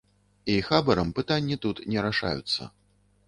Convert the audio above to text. І хабарам пытанні тут не рашаюцца.